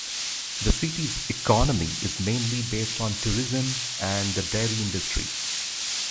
The city's economy is mainly based on tourism and the dairy industry.